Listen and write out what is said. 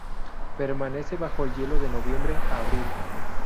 Permanece bajo el hielo de noviembre a abril.